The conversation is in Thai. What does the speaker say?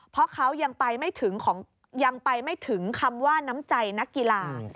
เพราะเขายังไปไม่ถึงคำว่าน้ำใจนักกีฬา